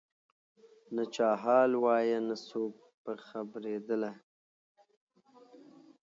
نه چا حال وایه نه څوک په خبرېدله